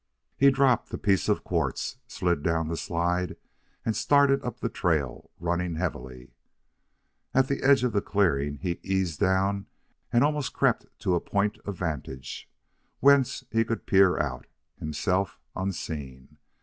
He dropped the piece of quartz, slid down the slide, and started up the trail, running heavily. At the edge of the clearing he eased down and almost crept to a point of vantage whence he could peer out, himself unseen.